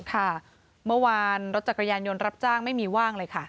ค่ะเมื่อวานรถจักรยานยนต์รับจ้างไม่มีว่างเลยค่ะ